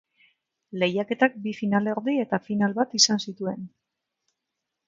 Lehiaketak bi finalerdi eta final bat izan zituen.